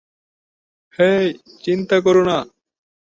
হেই, চিন্তা করো না।